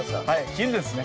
昼ですね。